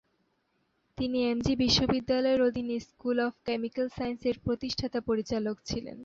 তিনি M G বিশ্ববিদ্যালয়ের অধীনে স্কুল অফ কেমিক্যাল সায়েন্সেসের প্রতিষ্ঠাতা পরিচালক ছিলেন।